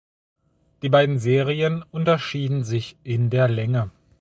Die beiden Serien unterschieden sich in der Länge.